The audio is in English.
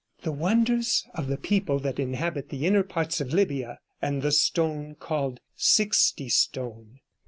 The wonders of the people that inhabit the inner parts of Libya, and of the stone called Sixty stone.'